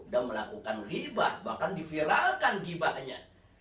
dan melakukan ribah bahkan diviralkan ribahnya